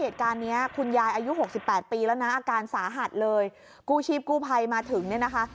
เหตุการณ์เนี้ยคุณยายอายุหกสิบแปดปีแล้วนะอาการสาหัสเลยกู้ชีพกู้ภัยมาถึงเนี่ยนะคะ